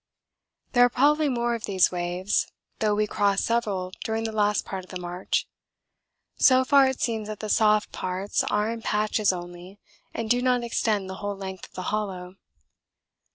There are probably more of these waves, though we crossed several during the last part of the march so far it seems that the soft parts are in patches only and do not extend the whole length of the hollow.